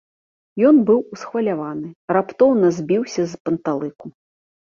Ён быў усхваляваны, раптоўна збіўся з панталыку.